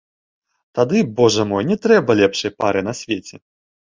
Тады, божа мой, не трэба лепшай пары на свеце.